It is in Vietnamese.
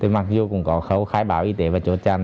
mặc dù cũng có khâu khai báo y tế và chốt chặn